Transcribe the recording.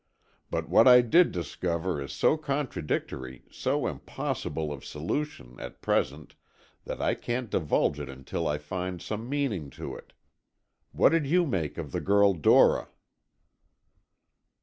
"But what I did discover is so contradictory, so impossible of solution, at present, that I can't divulge it until I find some meaning to it. What did you make of the girl, Dora?"